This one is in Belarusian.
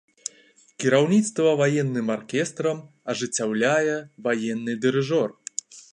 Кіраўніцтва ваенным аркестрам ажыццяўляе ваенны дырыжор.